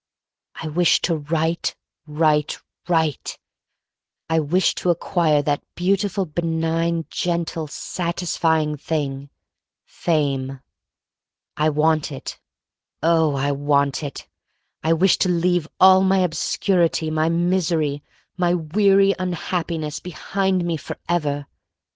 I wish to write, write, write! I wish to acquire that beautiful. 14 THE STORY OF MARY MAC LANE benign, gentle, satisfying thing — Fame. I want it — oh, I want it! I wish to leave all my obscurity, my misery — my weary unhappiness — behind me forever.